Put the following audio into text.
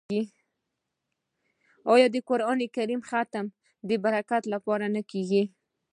آیا د قران کریم ختم د برکت لپاره نه کیږي؟